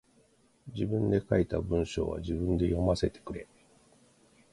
自分で書いた文章は自分で読ませてくれ。